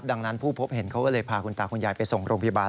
ดังนั้นผู้พบเห็นเขาก็เลยพาคุณตาคุณยายไปส่งโรงพยาบาล